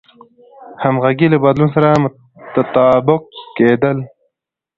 همغږي له بدلون سره تطابق کېدل دي.